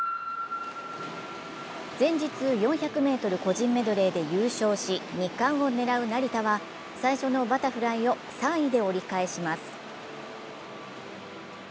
前日、４００ｍ個人メドレーで優勝し、２冠を狙う成田は最初のバタフライを３位で折り返します。